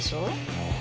ああ。